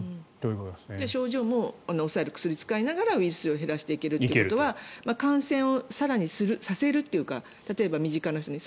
症状も抑える薬を使いながらウイルスを減らしていけるということは感染を更にさせるというか例えば身近な人に。